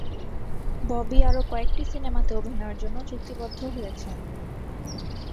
ববি আরো কয়েকটি সিনেমাতে অভিনয়ের জন্য চুক্তিবদ্ধ হয়েছেন।